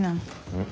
うん。